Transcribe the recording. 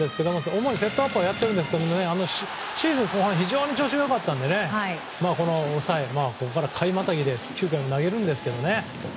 主にセットアッパーをやっているんですけどシーズン後半非常に調子が良かったのでこの抑えここから回またぎで投げるんですけどね。